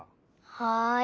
はい。